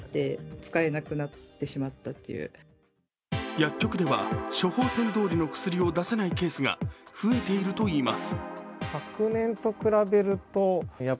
薬局では処方箋どおりの薬を出せないケースが増えているといいます。